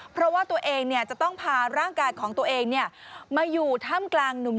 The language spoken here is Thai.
เพราะว่าตัวเองจะต้องพาร่างกายของตัวเองมาอยู่ถ้ำกลางหนุ่ม